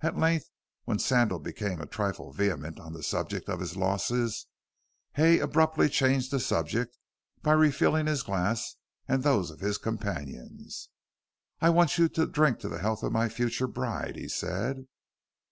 At length, when Sandal became a trifle vehement on the subject of his losses, Hay abruptly changed the subject, by refilling his glass and those of his companions. "I want you to drink to the health of my future bride," he said.